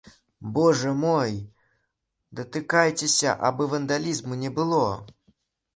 Божа мой, датыкайцеся, абы вандалізму не было.